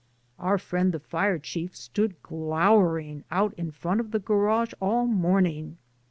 Our friend the fire chief stood glowering out in front of the garage all morning.